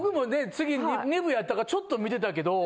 次２部やったからちょっと見てたけど。